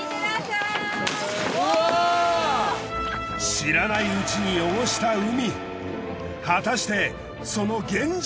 知らないうちに汚した海。